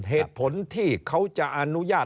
เหตุผลที่เขาจะอนุญาต